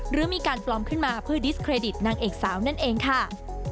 หรือมีการปลอมขึ้นมาเพื่อดิสเครดิตนางเอกสาวนั่นเองค่ะ